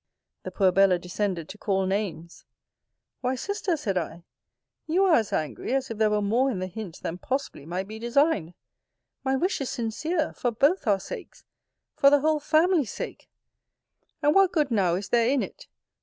The poor Bella descended to call names. Why, Sister, said I, you are as angry, as if there were more in the hint than possibly might be designed. My wish is sincere, for both our sakes! for the whole family's sake! And what (good now) is there in it?